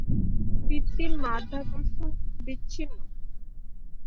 কৃত্রিম মাধ্যাকর্ষণ বিচ্ছিন্ন।